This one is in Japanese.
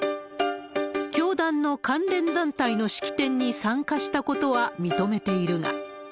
教団の関連団体の式典に参加したことは認めているが。